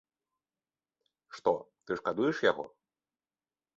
Што, ты шкадуеш яго?